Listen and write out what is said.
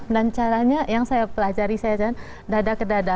dan caranya yang saya pelajari saya dada ke dada